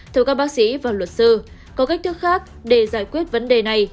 theo các bác sĩ và luật sư có cách thức khác để giải quyết vấn đề này